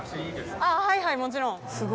はいはいもちろん。